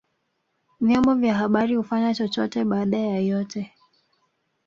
vyombo vya habari hufanya chochote baada ya yote